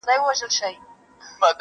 رنځ یې تللی له هډونو تر رګونو!!